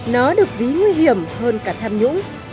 nó được ví nguy hiểm hơn cả tham nhũng